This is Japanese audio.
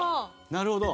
なるほど。